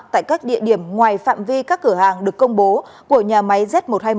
tại các địa điểm ngoài phạm vi các cửa hàng được công bố của nhà máy z một trăm hai mươi một